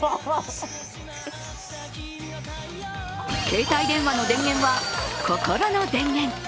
携帯電話の電源は、心の電源。